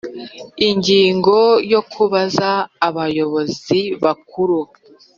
ingingo ya kubaza abayobozi bakuru